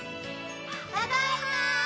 ただいまー！